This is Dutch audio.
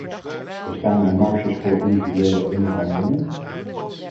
Bestaan er marges voor individuele onderhandelingen?